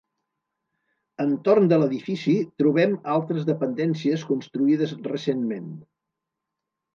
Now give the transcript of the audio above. Entorn de l'edifici, trobem altres dependències construïdes recentment.